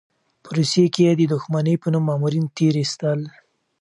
په روسيې کې یې د دښمنۍ په نوم مامورین تېر ایستل.